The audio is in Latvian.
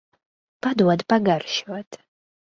Padod pagaršot.